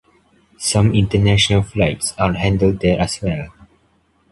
Some international flights are handled there as well.